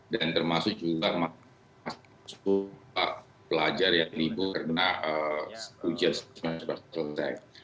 dan termasuk juga masuk pelajar yang libur karena ujian semasa berakhir